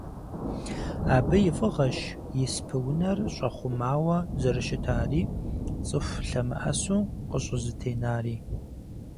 Абы и фIыгъэщ испы-унэр щIэхъумауэ зэрыщытари, цIыху лъэмыIэсу къыщIызэтенари.